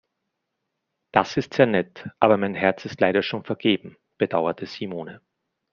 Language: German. Das ist sehr nett, aber mein Herz ist leider schon vergeben, bedauerte Simone.